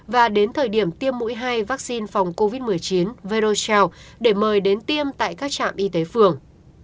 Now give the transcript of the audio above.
và đến thời điểm tiêm mũi hai vaccine phòng covid một mươi chín verocell để mời đến tiêm tại các trạm y tế phường